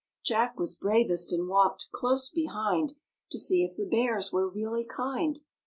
Jack was bravest and walked close behind To see if the Bears were really kind.